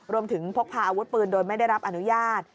พกพาอาวุธปืนโดยไม่ได้รับอนุญาต